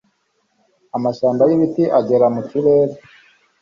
amashyamba y'ibiti agera mu kirere